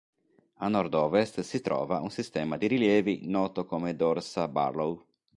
A nord-ovest si trova un sistema di rilievi noto come Dorsa Barlow.